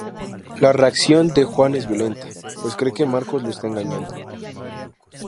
La reacción de Juan es violenta, pues cree que Marcos lo está engañando.